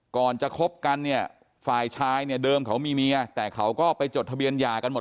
ก่อนจะคบกันเนี่ยฝ่ายชายเนี่ยเดิมเขามีเมีย